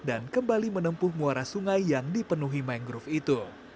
dan kembali menempuh muara sungai yang dipenuhi mangrove itu